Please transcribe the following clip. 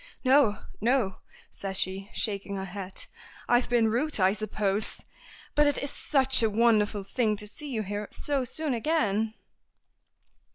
"No, no!" says she, shaking her head. "I've been rude, I suppose. But it is such a wonderful thing to see you here so soon again."